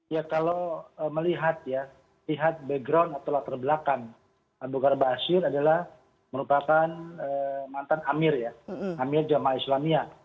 ya kalau melihat ya lihat background atau latar belakang abu bakar basir adalah merupakan mantan amir ya amir jamaah islamia